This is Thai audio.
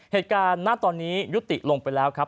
เหตุการณ์หน้าตอนนี้ยุติลงไปแล้วครับ